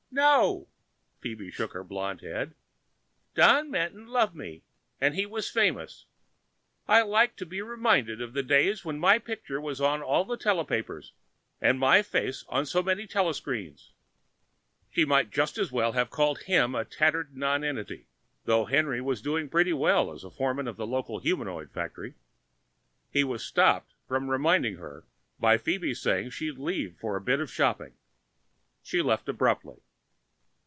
"No," Phoebe shook her blonde head. "Don Manton loved me and he was famous. I like to be reminded of the days when my picture was in all the telepapers and my face on so many telescreens." She might just as well have called him a tattered nonentity, though Henry was doing pretty well as a foreman in the local humandroid factory. He was stopped from reminding her by Phoebe's saying that she'd leave for a bit of shopping. She left abruptly.